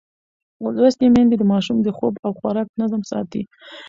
لوستې میندې د ماشوم د خوب او خوراک نظم ساتي.